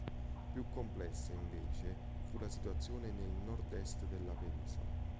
Più complessa, invece, fu la situazione nel nord-est della penisola.